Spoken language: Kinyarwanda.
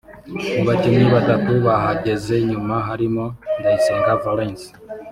Mu bakinnyi batatu bahageze nyuma harimo Ndayisenga Valens